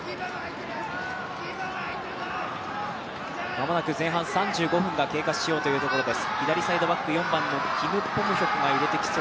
間もなく前半３５分が経過しようというところです。